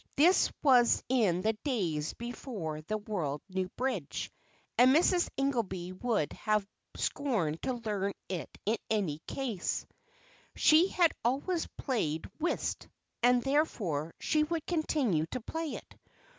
This was in the days before the world knew bridge, and Mrs. Ingelby would have scorned to learn it in any case. She had always played whist, and therefore she would continue to play it.